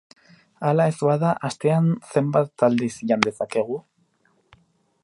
Hala ez bada, astean zenbat aldiz jan dezakegu?